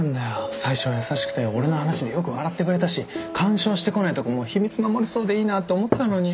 最初は優しくて俺の話でよく笑ってくれたし干渉してこないとこも秘密守れそうでいいなって思ったのに。